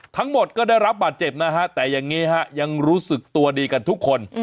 ทั้งหมดก็ได้รับบาดเจ็บนะฮะแต่อย่างนี้ฮะยังรู้สึกตัวดีกันทุกคน